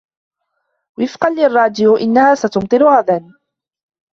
وفقاً للراديو إنها ستمطر غداً.